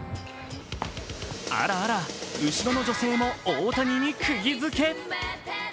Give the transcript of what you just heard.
あらあら、後ろの女性も大谷にくぎづけ。